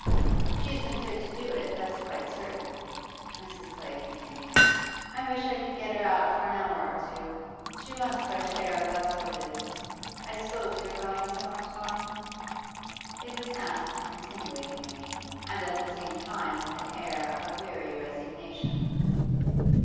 'She isn't fit to do it, that's quite certain,' Mrs. Clay continued. 'I wish I could get her out for an hour or two. She wants fresh air, that's what it is. I s'pose you're going somewhere to morrow?' It was asked insinuatingly, and at the same time with an air of weary resignation.